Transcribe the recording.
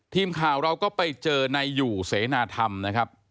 ทีมข่าวเราก็ไปเจอนายอยู่เสนาธรรมนะครับ